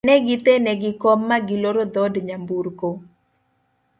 negithene gi kom ma giloro dhod nyamburko